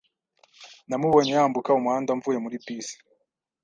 Namubonye yambuka umuhanda mvuye muri bisi.